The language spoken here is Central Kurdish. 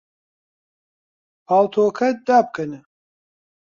پاڵتۆکەت دابکەنە.